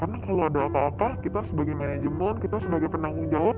karena kalau ada apa apa kita sebagai manajemen kita sebagai penanggung jawab